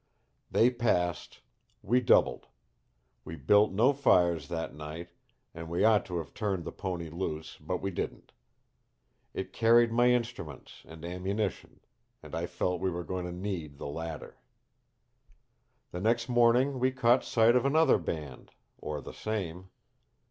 "They passed; we doubled. We built no fires that night and we ought to have turned the pony loose, but we didn't. It carried my instruments, and ammunition, and I felt we were going to need the latter. "The next morning we caught sight of another band or the same.